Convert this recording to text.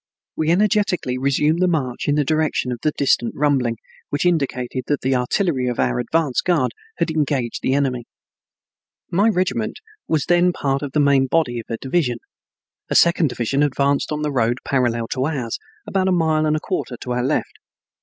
We energetically resumed the march in the direction of the distant rumbling, which indicated that the artillery of our advance guard had engaged the enemy. My regiment then was part of the main body of a division. A second division advanced on the road parallel to ours, about a mile and a quarter to our left.